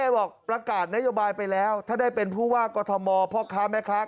บอกประกาศนโยบายไปแล้วถ้าได้เป็นผู้ว่ากอทมพ่อค้าแม่ค้า